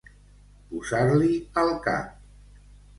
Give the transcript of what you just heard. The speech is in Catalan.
Posar-li al cap.